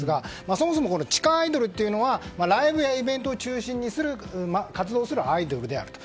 そもそも地下アイドルというのはライブやイベントを中心に活動をするアイドルであると。